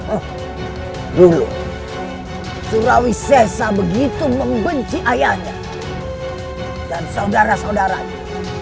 oh dulu surawi sesa begitu membenci ayahnya dan saudara saudaranya